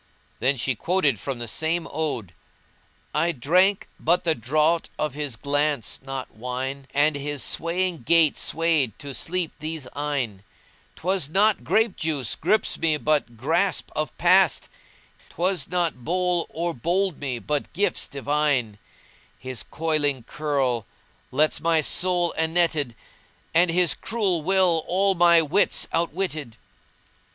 [FN#180]" Then she quoted from the same ode:— "I drank, but the draught of his glance, not wine, * And his swaying gait swayed to sleep these eyne: 'Twas not grape juice grips me but grasp of Past * 'Twas not bowl o'erbowled me but gifts divine: His coiling curl lets my soul ennetted * And his cruel will all my wits outwitted.